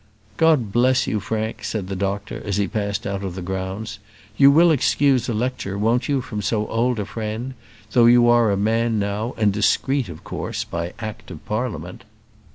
"God bless you, Frank!" said the doctor, as he passed out of the grounds. "You will excuse a lecture, won't you, from so old a friend? though you are a man now, and discreet, of course, by Act of Parliament."